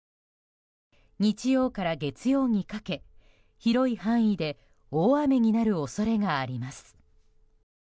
日曜から月曜にかけ、広い範囲で大雨になる恐れがあります。